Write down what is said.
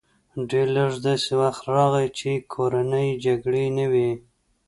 ډېر لږ داسې وخت راغی چې کورنۍ جګړې نه وې